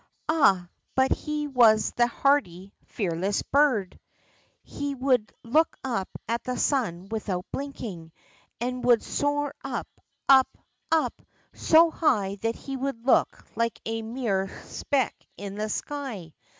Ah, but he was the hardy, fearless bird ! He would look up at the sun without blinking, and would soar up, up, up, so high that he would look like a mere speck in the sky.